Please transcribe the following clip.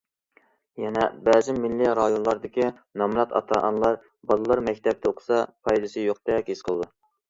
يەنە بەزى مىللىي رايونلاردىكى نامرات ئاتا- ئانىلار بالىلار مەكتەپتە ئوقۇسا پايدىسى يوقتەك ھېس قىلىدۇ.